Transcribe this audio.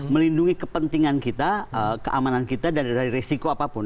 melindungi kepentingan kita keamanan kita dari resiko apapun